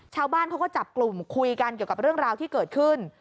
ชาวบ้านเขาก็จับกลุ่มคุยกันเกี่ยวกับเรื่องราวที่เกิดขึ้น